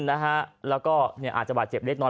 และก็อาจจะบาดเจ็บเล็กน้อน